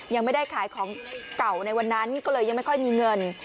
ยังไม่ได้ขายของเก่าในวันนั้นก็เลยยังไม่ค่อยมีเงิน